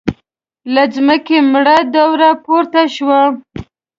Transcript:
له ځمکې مړه دوړه پورته شوه.